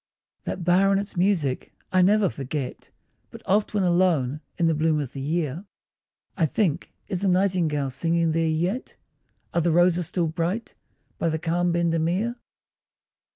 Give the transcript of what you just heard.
That bower and its music I never forget, But oft when alone in the bloom of the year, I think is the nightingale singing there yet? Are the roses still bright by the calm Bendemeer?